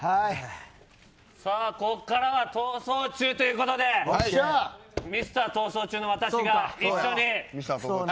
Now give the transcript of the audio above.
ここからは「逃走中」ということでミスター逃走中の私が一緒に。